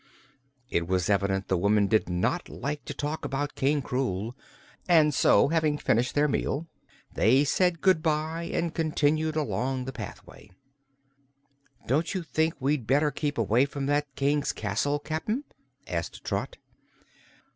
It was evident the woman did not like to talk about King Krewl and so, having finished their meal, they said good bye and continued along the pathway. "Don't you think we'd better keep away from that King's castle, Cap'n?" asked Trot.